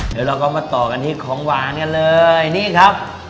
เดี๋ยวเราก็มาต่อกันที่ของหวานกันเลยนี่ครับ